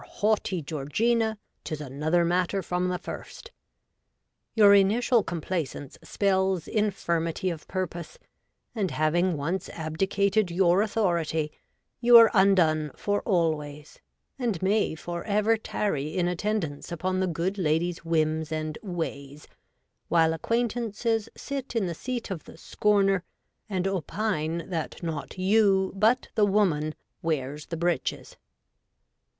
haughty Georglna 'tis another matter from the first ; your initial complaisance spells infirmity of purpose, and having once abdicated your authority, you are undone for always, and may for ever tarry in attendance upon the good lady's whims and ' ways,' while acquaintances sit in the seat of the scorner and opine that not you but the woman ' wears the breeches.'